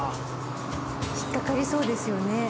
引っかかりそうですね。